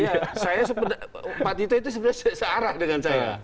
iya saya pak tito itu sebenarnya searah dengan saya